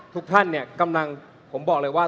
ทุกท่านเนี่ยผมบอกเลยว่า